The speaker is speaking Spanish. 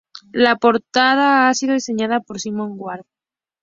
La portada ha sido diseñada por Simon Ward.